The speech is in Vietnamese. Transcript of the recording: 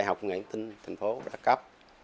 đại học công nghệ thông tin thành phố đã cấp